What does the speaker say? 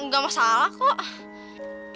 gak masalah kok